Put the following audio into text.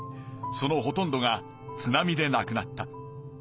そのほとんどが津波でなくなった。